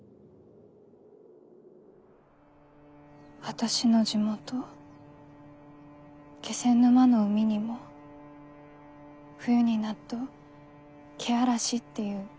私の地元気仙沼の海にも冬になっとけあらしっていう霧が出るんです。